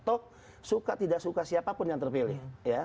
atau suka tidak suka siapapun yang terpilih ya